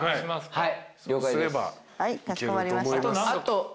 はい。